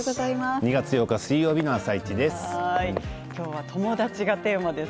２月８日水曜日の「あさイチ」です。